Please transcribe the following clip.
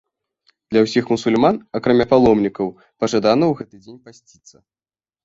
Для ўсіх мусульман, акрамя паломнікаў, пажадана ў гэты дзень пасціцца.